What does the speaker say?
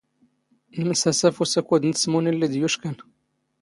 ⵏⵎⵙⴰⵙⴰ ⴼ ⵓⵙⴰⴽⵓⴷ ⵏ ⵜⵙⵎⵓⵏⵉ ⵍⵍⵉ ⴷ ⵢⵓⵛⴽⴰⵏ.